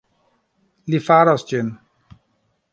Li faros ĝin